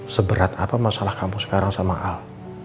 seberat apa masalah kamu sekarang sama al